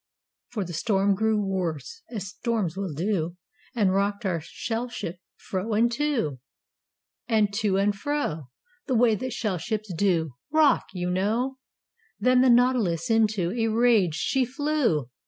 For the storm grew worse As storms will do And rocked our shell ship Fro and to, Fro and to, And to and fro, The way that shell ships Rock, you know. Then the Nautilus into A rage she flew!